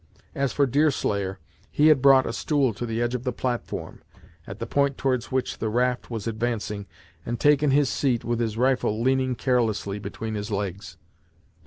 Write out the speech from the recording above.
As for Deerslayer, he had brought a stool to the edge of the platform, at the point towards which the raft was advancing, and taken his seat with his rifle leaning carelessly between his legs.